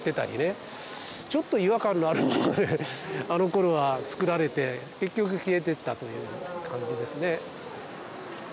ちょっと違和感のあるものであのころはつくられて結局消えてったという感じですね。